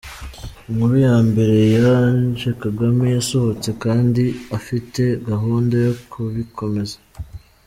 Inkuru ya mbere ya Ange Kagame yasohotse kandi afite gahunda yo kubikomeza.